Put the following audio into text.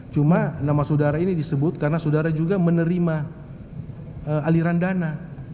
cuma nama saudara ini disebut karena saudara juga menerima aliran dana